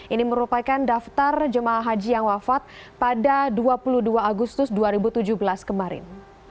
ini merupakan daftar jemaah haji yang wafat pada dua puluh dua agustus dua ribu tujuh belas kemarin